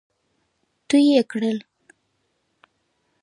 تو يې کړل.